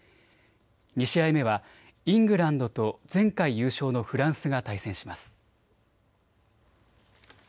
２試合目はイングランドと前回優勝のフランスが対戦します。